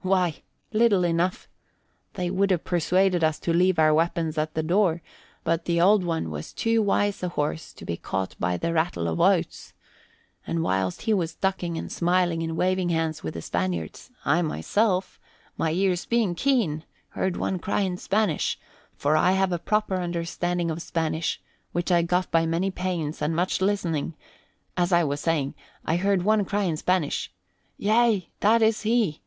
"Why, little enough. They would have persuaded us to leave our weapons at the door, but the Old One was too wise a horse to be caught by the rattle of oats. And whilst he was ducking and smiling and waving hands with the Spaniards, I myself, my ears being keen, heard one cry in Spanish, for I have a proper understanding of Spanish which I got by many pains and much listening as I was saying, I heard one cry in Spanish, 'Yea, that is he.'